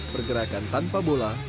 pergerakan tanpa bola